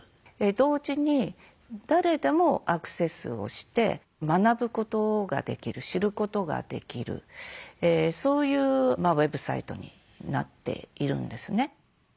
同時に誰でもアクセスをして学ぶことができる知ることができるそういうウェブサイトになっているんですね。